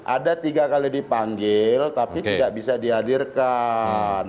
ada tiga kali dipanggil tapi tidak bisa dihadirkan